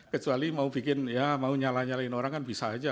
kecuali mau bikin ya mau nyala nyalain orang kan bisa aja